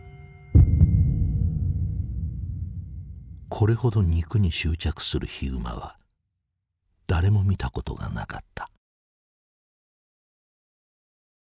これほど肉に執着するヒグマは誰も見たことがなかった。